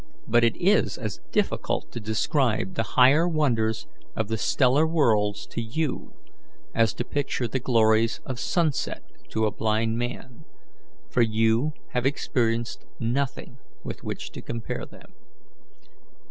But it is as difficult to describe the higher wonders of the stellar worlds to you as to picture the glories of sunset to a blind man, for you have experienced nothing with which to compare them.